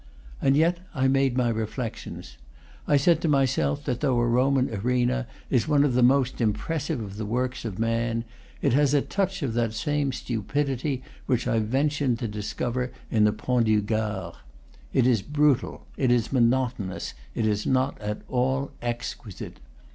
And yet I made my reflections; I said to myself that though a Roman arena is one of the most impressive of the works of man, it has a touch of that same stupidity which I ventured to discover in the Pont du Gard. It is brutal; it is monotonous; it is not at all exquisite.